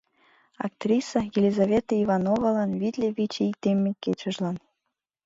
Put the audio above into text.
Актриса Елизавета Ивановалан витле вич ий темме кечыжлан